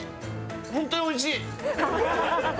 本当においしい！